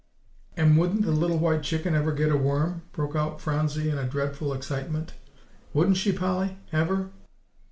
"And wouldn't the little white chicken ever get a worm?" broke out Phronsie in dreadful excitement; "wouldn't she, Polly, ever?"